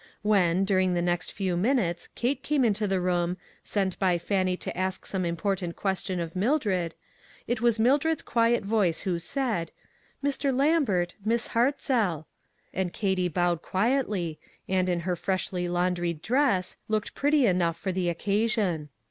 When, during the next few minutes, Kate came into the room, sent by Fannie to ask some important question of Mildred, it was Mildred's quiet voice who said, " Mr. Lambert, Miss Hartzell," and Kate bowed quietly, and, in her freshly laundried dress, looked pretty enough for the occasion.